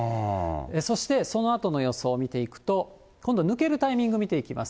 そして、そのあとの予想見ていきますと、今度抜けるタイミング見ていきます。